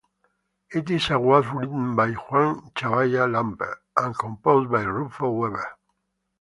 It is a waltz written by Juan Chabaya Lampe and composed by Rufo Wever.